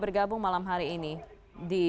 bergabung malam hari ini di